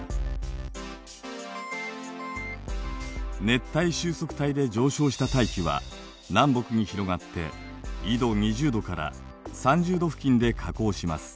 熱帯収束帯で上昇した大気は南北に広がって緯度２０度から３０度付近で下降します。